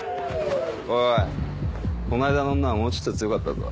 おいこの間の女はもうちょっと強かったぞ？